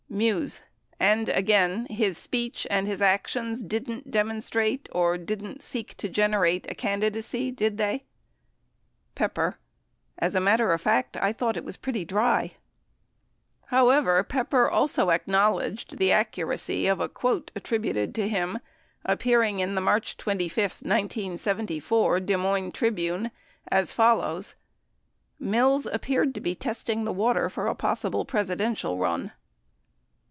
Muse. And again, his speech and his actions didn't demon strate, or didn't seek to generate a candidacy, did [they] ? Pepper. As a matter of fact, I thought it was pretty dry . 1 * 4 However, Pepper also acknowledged the accuracy of a quote attrib uted to him, appearing in the March 25, 1974 Des Moines Tribune a,s follows : "Mills appeared to be testing the water for a possible Presi dential run."